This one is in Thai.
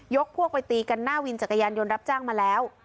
พวกไปตีกันหน้าวินจักรยานยนต์รับจ้างมาแล้ว